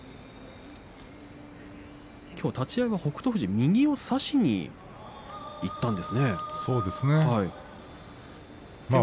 きょう立ち合いは北勝富士右を差しにいったんですか。